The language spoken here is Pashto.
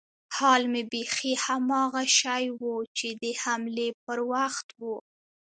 حال مې بيخي هماغه شى و چې د حملې پر وخت و.